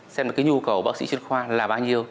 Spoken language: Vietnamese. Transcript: xem là cái nhu cầu bác sĩ chuyên khoa là bao nhiêu